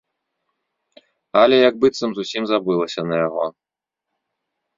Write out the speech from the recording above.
Аля як быццам зусім забылася на яго.